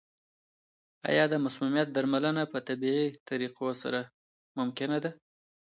آیا د مسمومیت درملنه په طبیعي طریقو سره ممکنه ده؟